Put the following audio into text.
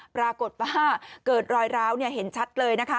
ปรากฏว่าเกิดรอยร้าวเห็นชัดเลยนะคะ